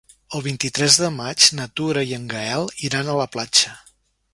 El vint-i-tres de maig na Tura i en Gaël iran a la platja.